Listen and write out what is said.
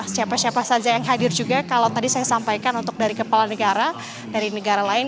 siapa siapa saja yang hadir juga kalau tadi saya sampaikan untuk dari kepala negara dari negara lain